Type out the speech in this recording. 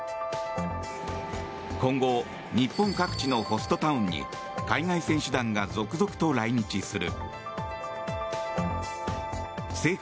今後、日本各地のホストタウンに海外選手団が続々と来日する。